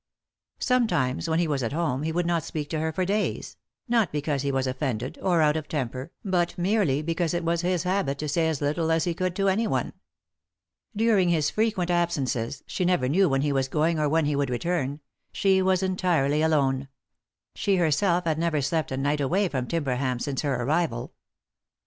Sometimes, when he was at home, he would not speak to her for days ; not because he was offended, or out of temper, but merely beeause it was his habit to say as little as he could to anyone. During his frequent absences — she never knew when he was going or when he would return — she was entirely alone ; she herself had never slept a night away from Timberham since her arrival.